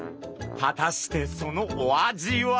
果たしてそのお味は？